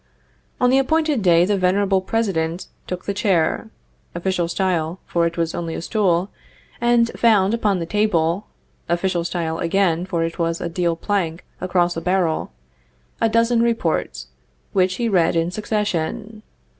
On the appointed day the venerable President took the chair (official style, for it was only a stool) and found upon the table (official style, again, for it was a deal plank across a barrel) a dozen reports, which he read in succession.